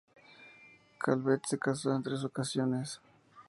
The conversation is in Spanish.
Calvet se casó en tres ocasiones.